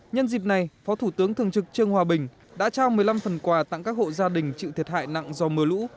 nhân dịp này phó thủ tướng thường trực trương hòa bình đã trao một mươi năm phần quà tặng các hộ gia đình chịu thiệt hại nặng do mưa lũ